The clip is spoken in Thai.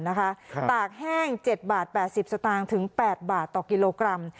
กิโลกรัมนะคะตากแห้งเจ็ดบาทแปดสิบสตางค์ถึงแปดบาทต่อกิโลกรัม